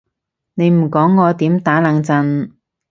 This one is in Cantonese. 你唔講我點打冷震？